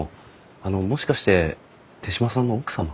あのもしかして手島さんの奥様？